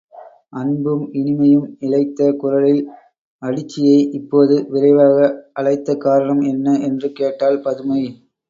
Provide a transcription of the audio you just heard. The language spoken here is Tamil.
அன்பும் இனிமையும் இழைத்த குரலில், அடிச்சியை இப்போது விரைவாக அழைத்த காரணம் என்ன? என்று கேட்டாள் பதுமை.